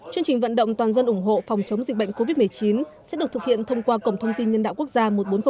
chương trình vận động toàn dân ủng hộ phòng chống dịch bệnh covid một mươi chín sẽ được thực hiện thông qua cổng thông tin nhân đạo quốc gia một trăm bốn mươi